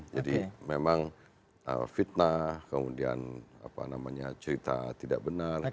jadi memang fitnah kemudian cerita tidak benar